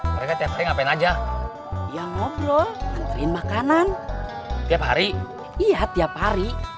mereka tiap hari ngapain aja ya ngobrol nganterin makanan tiap hari iya tiap hari